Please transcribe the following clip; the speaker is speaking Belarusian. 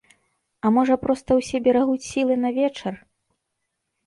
А можа проста ўсе берагуць сілы на вечар?